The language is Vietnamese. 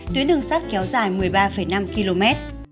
tuyến đường sắt kéo dài một mươi ba năm km